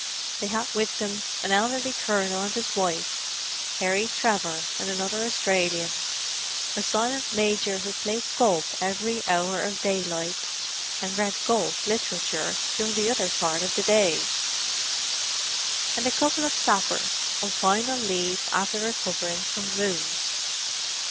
They had with them an elderly colonel and his wife; Harry Trevor and another Australian; a silent Major who played golf every hour of daylight, and read golf literature during the other part of the day; and a couple of sappers, on final leave after recovering from wounds.